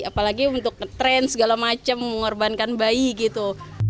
apalagi untuk ngetrend segala macam mengorbankan bayi gitu